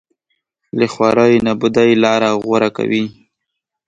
له خوارۍ نابودۍ لاره غوره کوي